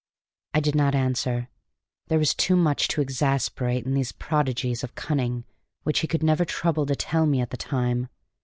I did not answer; there was too much to exasperate in these prodigies of cunning which he could never trouble to tell me at the time.